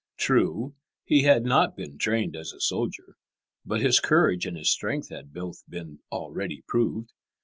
True, he had not been trained as a soldier, but his courage and his strength had both been already proved.